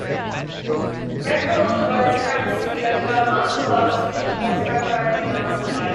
Reckell enjoys practicing yoga, martial arts, swimming, horseback riding and mountain biking.